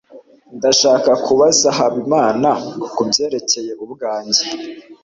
ndashaka kubaza habimana kubyerekeye ubwanjye